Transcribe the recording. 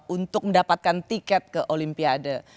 untuk mendapatkan tiket ke olimpiade